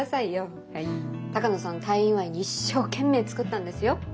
鷹野さんの退院祝いに一生懸命作ったんですよ。